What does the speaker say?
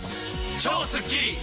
超スッキリ‼